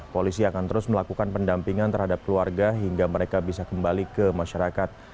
polisi akan terus melakukan pendampingan terhadap keluarga hingga mereka bisa kembali ke masyarakat